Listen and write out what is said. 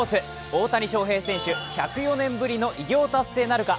大谷翔平選手、１０４年ぶりの偉業達成なるか。